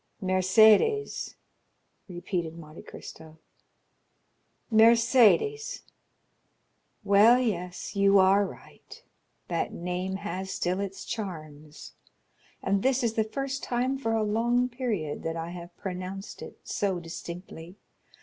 "Mercédès!" repeated Monte Cristo; "Mercédès! Well yes, you are right; that name has still its charms, and this is the first time for a long period that I have pronounced it so distinctly.